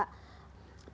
pada saat business matching